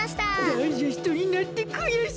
ダイジェストになってくやしい！